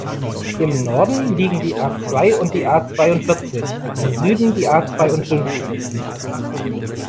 Im Norden liegen die A-zwei und die A-zweiundvierzig, im Süden die A-zweiundfünfzig.